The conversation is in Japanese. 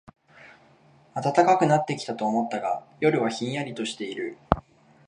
暖かくなってきたと思ったが、夜はひんやりとしている